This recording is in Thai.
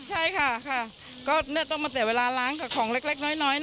ใช่ค่ะค่ะก็เนี่ยต้องมาเสียเวลาร้างกับของเล็กน้อยนะ